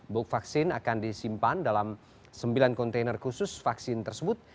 book vaksin akan disimpan dalam sembilan kontainer khusus vaksin tersebut